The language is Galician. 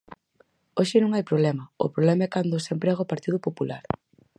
Hoxe non hai problema, o problema é cando os emprega o Partido Popular.